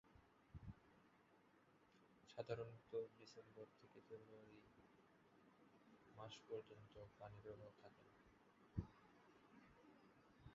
সাধারণত ডিসেম্বর থেকে ফেব্রুয়ারি মাস পর্যন্ত পানিপ্রবাহ থাকে না।